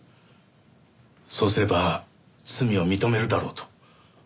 そうすれば罪を認めるだろうと。